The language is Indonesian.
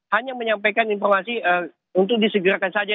hanya menyampaikan informasi untuk disegerakan saja